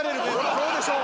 そうでしょう